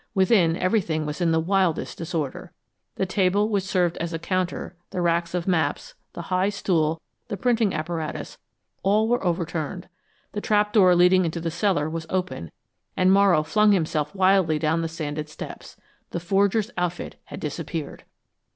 Within everything was in the wildest disorder. The table which served as a counter, the racks of maps, the high stool, the printing apparatus, all were overturned. The trap door leading into the cellar was open, and Morrow flung himself wildly down the sanded steps. The forger's outfit had disappeared.